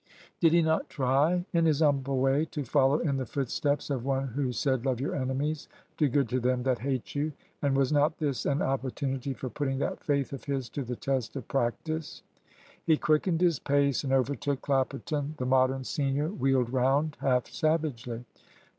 Did he not try, in his humble way, to follow in the footsteps of One Who said, "Love your enemies, do good to them that hate you"? And was not this an opportunity for putting that faith of his to the test of practice? He quickened his pace, and overtook Clapperton. The Modern senior wheeled round half savagely.